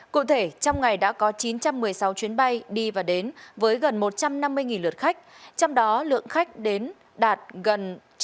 cụ thể trong ngày đã có chín trăm một mươi sáu chuyến bay đi và đến với gần một trăm năm mươi lượt khách trong đó lượng khách đến đạt gần chín mươi một lượt